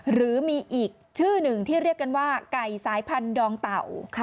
หรือมีอีกชื่อหนึ่งที่เรียกกันว่าไก่สายพันธองเต่า